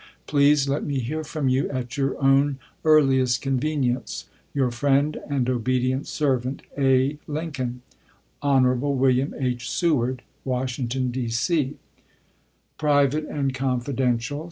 Please let me hear from you at your own earliest convenience. Your friend and obedient servant, Hon. William H. Seward, A Lincoln. Washington, D. C. (Private and confidential.)